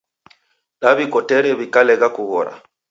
Daw'ikotere w'ikalegha kughora